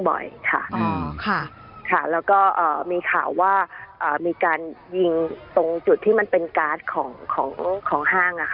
บ่อยแล้วก็มีข่าวว่ามีการยิงจุดที่มันเป็นการ์ดของของห้าง